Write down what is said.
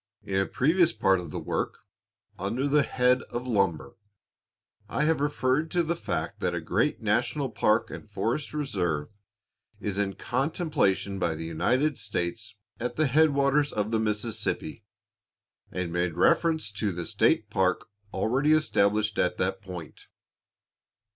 In a previous part of this work, under the head of "Lumber," I have referred to the fact that a great national park and forest reserve is in contemplation by the United States at the headwaters of the Mississippi, and made reference to the state park already established at that point.